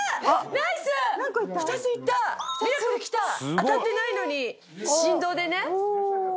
当たってないのに振動でね。